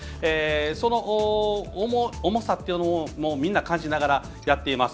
その重さというのをみんな感じながらやっています。